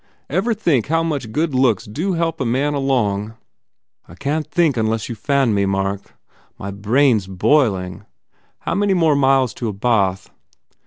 Ever think how much good looks do help a man along?" "I can t think unless you fan me, Mark. My brain s boiling. How many more miles to a bath?"